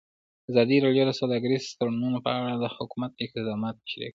ازادي راډیو د سوداګریز تړونونه په اړه د حکومت اقدامات تشریح کړي.